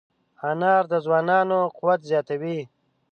انار د ځوانانو قوت زیاتوي.